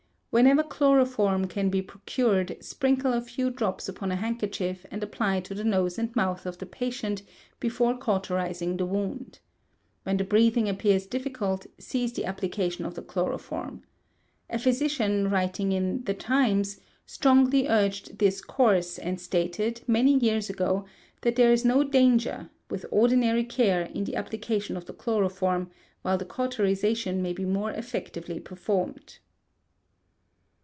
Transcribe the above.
Whenever chloroform can be procured, sprinkle a few drops upon a handkerchief, and apply to the nose and mouth of the patient before cauterizing the wound. When the breathing appears difficult, cease the application of the chloroform. A physician, writing in the Times, strongly urged this course, and stated, many years ago, that there is no danger, with ordinary care, in the application of the chloroform, while the cauterization may be more effectively performed.